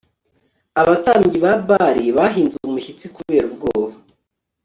Abatambyi ba Bali bahinze umushyitsikubera ubwoba